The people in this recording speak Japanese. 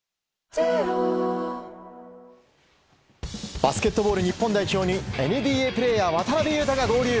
バスケットボール日本代表にＮＢＡプレーヤー渡邊雄太が合流。